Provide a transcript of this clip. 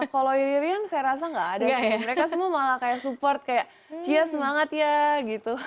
kalau iri irian saya rasa gak ada sih mereka semua malah kayak support kayak cia semangat ya gitu